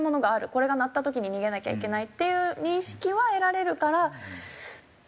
これが鳴った時に逃げなきゃいけないっていう認識は得られるからどっちが大事。